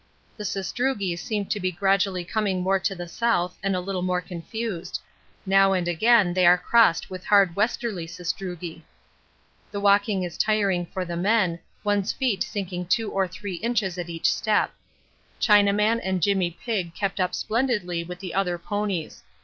The sastrugi seem to be gradually coming more to the south and a little more confused; now and again they are crossed with hard westerly sastrugi. The walking is tiring for the men, one's feet sinking 2 or 3 inches at each step. Chinaman and Jimmy Pigg kept up splendidly with the other ponies.